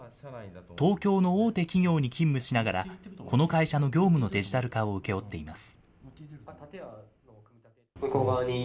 東京の大手企業に勤務しながら、この会社の業務のデジタル化を請け負っています。